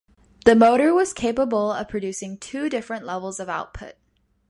The motor was capable of producing two different levels of output.